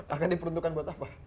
akan diperuntukkan buat apa